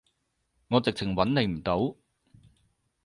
我直情揾你唔到